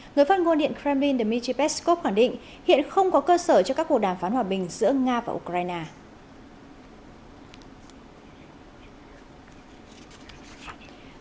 người phát ngôn điện kremlin dmitry peskov khẳng định hiện không có cơ sở cho các cuộc đàm phán hòa bình giữa nga và ukraine